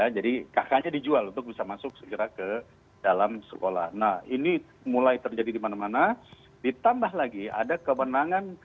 jadi kk nya dijual untuk bisa masuk segera ke dalam sekolah nah ini mulai terjadi di mana mana ditambah lagi ada kemenangan